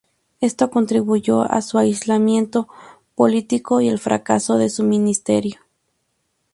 Esto contribuyó a su aislamiento político y al fracaso de su ministerio.